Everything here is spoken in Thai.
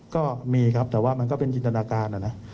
ก็มีครับแต่ว่ามันก็เป็นจินตนาการนะนะ